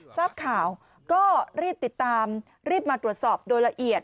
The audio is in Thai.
ทราบข่าวก็รีบติดตามรีบมาตรวจสอบโดยละเอียด